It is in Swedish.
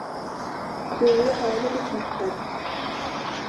Jo, jag hör hur det knäpper.